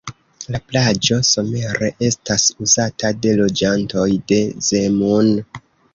La plaĝo somere estas uzata de loĝantoj de Zemun.